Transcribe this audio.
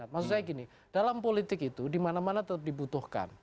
maksud saya gini dalam politik itu dimana mana tetap dibutuhkan